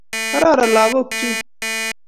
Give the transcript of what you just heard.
Kororon lagok chun.